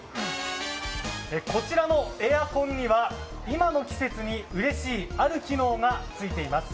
こちらのエアコンには今の季節にうれしいある機能がついています。